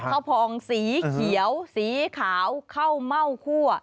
ข้าวพองสีเขียวสีขาวข้าวเม่าคั่ว